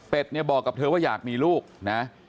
เป็นเนี่ยบอกกับเธอว่าอยากมีลูกนะ